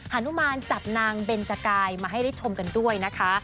นุมานจับนางเบนจกายมาให้ได้ชมกันด้วยนะคะ